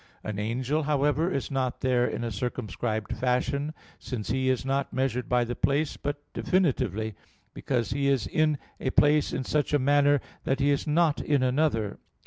An angel, however, is not there in a circumscribed fashion, since he is not measured by the place, but definitively, because he is in a place in such a manner that he is not in another.